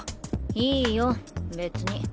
いいよ別に。